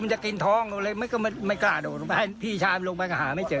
จะกินท้องเลยก็ไม่กล้าโดดลงไปพี่ชายมันลงไปก็หาไม่เจอ